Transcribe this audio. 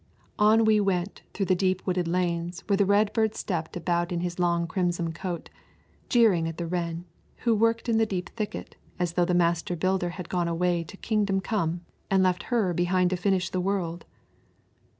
On we went through the deep wooded lanes where the redbird stepped about in his long crimson coat, jerring at the wren, who worked in the deep thicket as though the Master Builder had gone away to kingdom come and left her behind to finish the world.